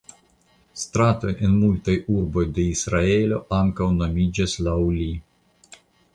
Stratoj en multaj urboj de Israelo ankaŭ nomiĝas laŭ li.